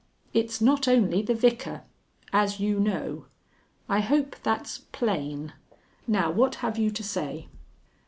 It's not only the Vicar. As you know. I hope that's plain. Now what have you to say?"